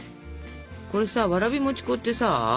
これさわらび餅粉ってさ